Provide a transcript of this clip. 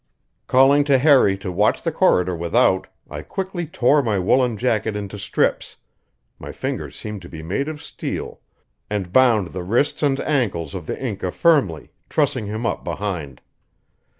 Calling to Harry to watch the corridor without, I quickly tore my woolen jacket into strips my fingers seemed to be made of steel and bound the wrists and ankles of the Inca firmly, trussing him up behind.